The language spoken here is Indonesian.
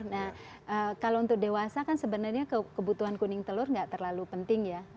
nah kalau untuk dewasa kan sebenarnya kebutuhan kuning telur nggak terlalu penting ya